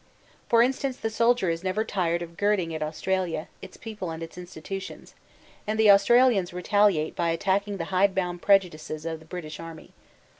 For instance the Soldier is never tired of girding at Australia, its people and institutions, and the Australians retaliate by attacking the hide bound prejudices of the British army.